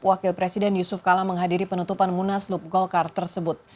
wakil presiden yusuf kala menghadiri penutupan munaslup golkar tersebut